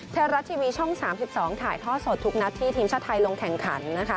ไทยรัฐทีวีช่อง๓๒ถ่ายท่อสดทุกนัดที่ทีมชาติไทยลงแข่งขันนะคะ